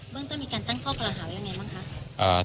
เบื้องต้องมีการตั้งข้อการอาหารยังไงบ้างครับ